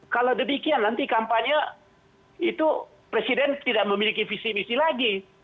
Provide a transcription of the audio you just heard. kalau demikian nanti kampanye itu presiden tidak memiliki visi misi lagi